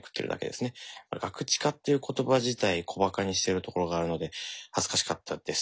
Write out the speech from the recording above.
ガクチカっていう言葉自体小バカにしているところがあるので恥ずかしかったです。